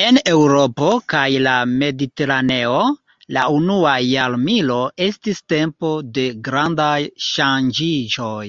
En Eŭropo kaj la Mediteraneo, la unua jarmilo estis tempo de grandaj ŝanĝiĝoj.